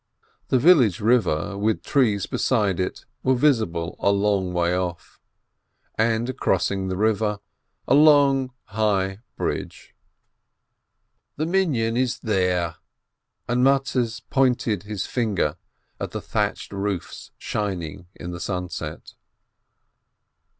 The village river with the trees beside it were visible a long way off, and, crossing the river, a long high bridge. "The Minyan is there," and Mattes pointed his finger at the thatched roofs shining in the sunset.